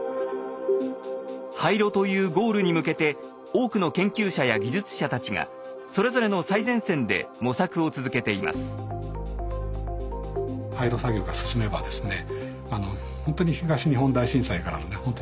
廃炉というゴールに向けて多くの研究者や技術者たちがそれぞれの最前線で模索を続けています。